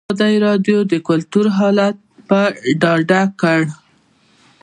ازادي راډیو د کلتور حالت په ډاګه کړی.